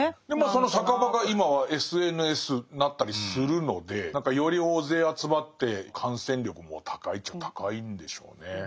その酒場が今はＳＮＳになったりするので何かより大勢集まって感染力も高いっちゃ高いんでしょうね。